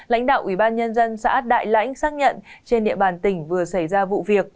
lãnh đạo ủy ban nhân dân xã đại lãnh xác nhận trên địa bàn tỉnh vừa xảy ra vụ việc